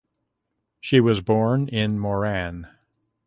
She was born in Moran.